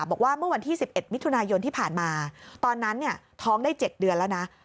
บอกว่าเมื่อวันที่๑๑มิถุนายนที่ผ่านมาตอนนั้นท้องได้๗เดือนแล้วนะ